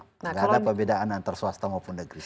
tidak ada perbedaan antara swasta maupun negeri